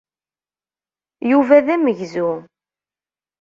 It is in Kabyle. Yuba d amegzu.